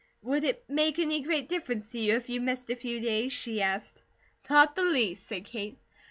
"Would it make any great difference to you if you missed a few days?" she asked. "Not the least," said Kate.